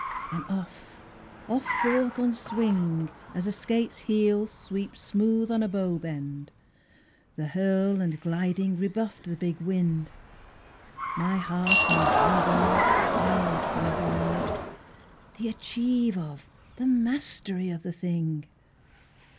then off, off forth on swing, As a skate's heel sweeps smooth on a bow bend: the hurl and gliding Rebuffed the big wind. My heart in hiding Stirred for a bird, the achieve of, the mastery of the thing!